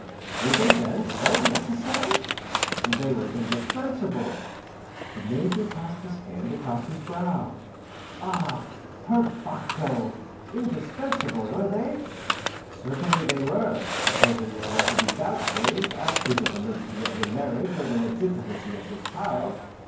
"Were they, then, so necessary?" "They were indispensable." The major passed his hand across his brow. "Ah, perbacco, indispensable, were they?" "Certainly they were; supposing there were to be doubts raised as to the validity of your marriage or the legitimacy of your child?"